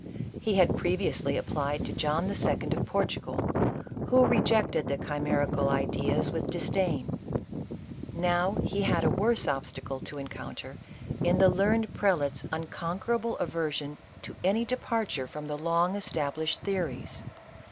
He had pre viously applied to John II. of Portugal, who rejected the chimerical ideas with disdain ; now he had a worse obstacle to encounter in the learned prelate's uncon querable aversion to any departure from the long established theories.